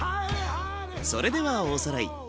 それではおさらい。